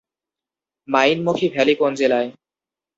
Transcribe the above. মাইনমুখী valley কোন জেলায়?